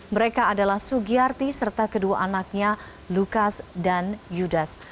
mereka adalah sugiyarti serta kedua anaknya lukas dan yudas